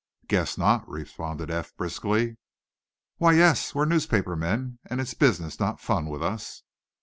"Guess not!" responded Eph, briskly. "Why, yes; we're newspaper men, and it's business, not fun with us."